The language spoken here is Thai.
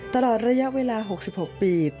ตลอดระยะเวลา๖๖ปี